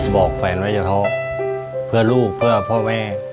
บอกแฝนไว้ใยท้อแม่เพื่อลูกเพื่อพ่อแม่